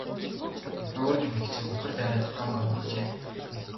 Өөр нэг эгчийг үхэр дайраад ухаангүй унагажээ.